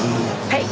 はい。